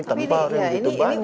tempat yang begitu banyak